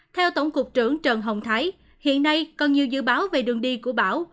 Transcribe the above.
theo tổng cục trưởng trần hồng thái hiện nay còn nhiều dự báo về đường đi của bão